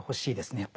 やっぱり。